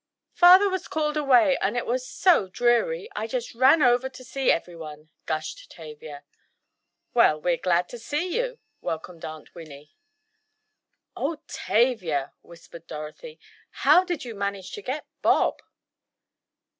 "Father was called away, and it was so dreary—I just ran over to see everyone," gushed Tavia. "Well, we're glad to see you," welcomed Aunt Winnie. "Oh, Tavia," whispered Dorothy, "how did you manage to get Bob?"